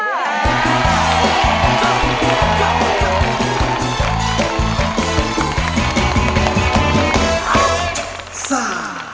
ไอด์ซ่า